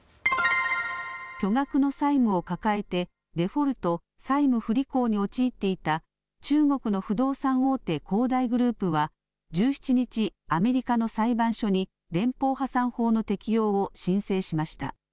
巨額の債務を抱えてデフォルト・債務不履行に陥っていた中国の不動産大手、恒大グループは１７日、アメリカの裁判所に連邦破産法の適用を申請しました。